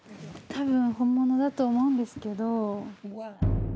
多分本物だと思うんですけど。